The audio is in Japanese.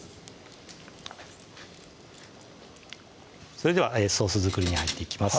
それではソース作りに入っていきます